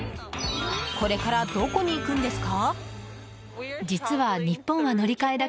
これから、どこに行くんですか？